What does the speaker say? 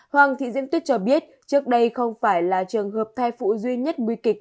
hoàng thị diễm tuyết cho biết trước đây không phải là trường hợp thai phụ duy nhất nguy kịch